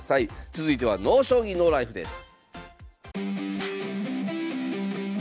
続いては「ＮＯ将棋ＮＯＬＩＦＥ」です。